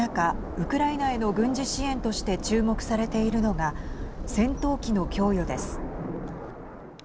ウクライナへの軍事支援として注目されているのが戦闘機の供与です。